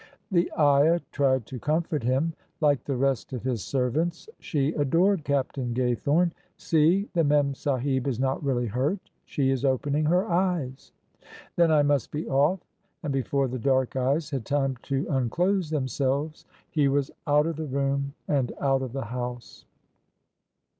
The ayah tried to comfort him. Like the rest of his servants, she adored Captain Gaythome. " See, the Mem sahib is not really hurt. She is opening her eyes." "Then I must be off." And before the dark eyes had time to unclose themselves he was out of the room and out of the house.